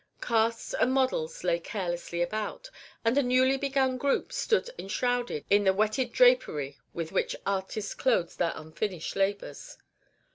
Casts and models lay carelessly about, and a newly begun group stood enshrouded in the wetted drapery with which artists clothe their unfinished labors.